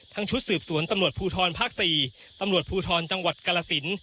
ชุดสืบสวนตำรวจภูทรภาค๔ตำรวจภูทรจังหวัดกรสิน